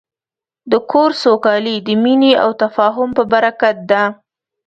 د کور سوکالي د مینې او تفاهم په برکت ده.